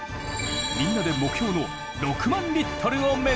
みんなで目標の６万リットルを目指せ！